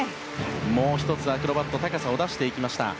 もう１つアクロバット高さを出していきました。